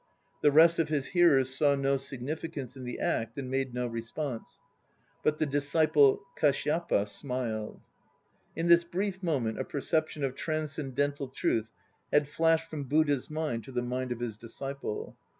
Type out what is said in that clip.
The rest of his hearers saw no significance in the act and made no response; but the disciple Kashyapa smiled. In this brief moment a perception of transcendental truth had flashed from Buddha's mind to the mind of his disciple.